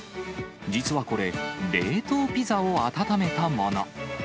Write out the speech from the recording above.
実はこれ、冷凍ピザを温めたもの。